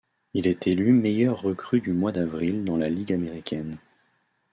Il est élu meilleure recrue du mois d'avril dans la Ligue américaine.